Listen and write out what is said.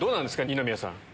二宮さん。